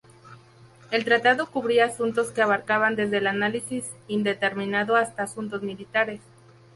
El tratado cubría asuntos que abarcaban desde el análisis indeterminado hasta asuntos militares.